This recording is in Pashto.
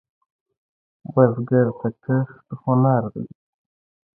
بزګر ته کښت هنر دی